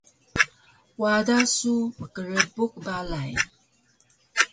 Wada su mkrbuk balay!